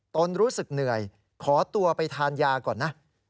นรู้สึกเหนื่อยขอตัวไปทานยาก่อนนะ